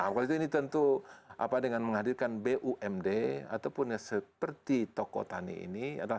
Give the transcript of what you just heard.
waktu itu ini tentu dengan menghadirkan bumd ataupun seperti toko tani ini adalah